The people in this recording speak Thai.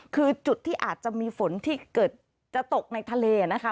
คือจุดที่อาจจะมีฝนที่เกิดจะตกในทะเลนะคะ